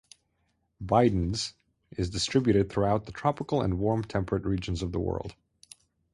"Bidens" is distributed throughout the tropical and warm temperate regions of the world.